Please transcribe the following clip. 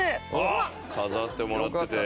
飾ってもらってて。